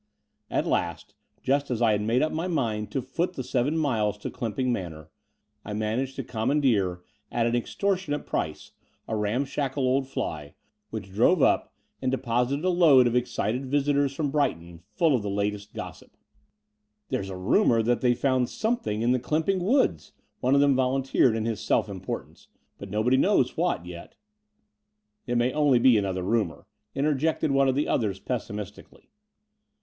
At last, just as I had made up my mind to foot the seven miles to Clymping Manor, I managed to commandeer at an extortionate price a ramshackle old fly, which drove up and deposited a load of The Brighton Road 69 excited visitore from Brighton, full of the latest gossip. ''There's a rumour that they've found some thing in the Clymping Woods," one of them volun teered in his self importance; "but nobody knows what yet." "It may only be another rumour," interjected one of the others pessimistically.